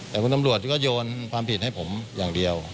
แต่คุณตำรวจก็โยนความผิดให้ผมอย่างเดียว